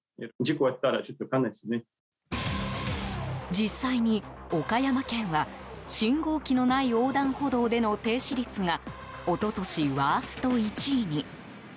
実際に、岡山県は信号機のない横断歩道での停止率が一昨年、ワースト１位に。